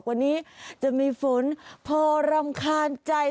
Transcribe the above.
วันนี้จะมีฝนพอรำคาญใจ